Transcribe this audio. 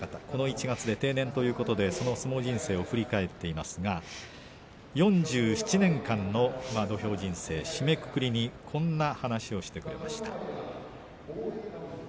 この１月で定年ということでその相撲人生を振り返っていますが４７年間の土俵人生締めくくりにこんな話をしてくれました。